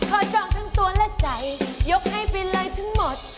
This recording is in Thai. พอจองทั้งตัวและใจยกให้ไปเลยทั้งหมด